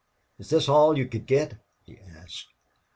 "Is this all you could get?" he asked.